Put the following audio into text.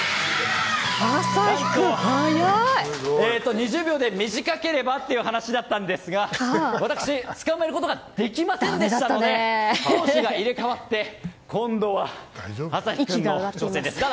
２０秒で短ければという話だったんですが私、つかまえることができませんでしたので攻守が入れ替わって今度はアサヒ君の挑戦です。